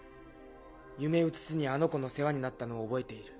夢うつつにあの子の世話になったのを覚えている。